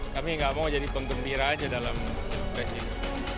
kami nggak mau jadi penggembira aja dalam pres ini